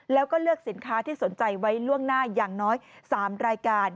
แล้วก็เลือกสินค้าที่สนใจไว้ล่วงหน้าอย่างน้อย๓รายการ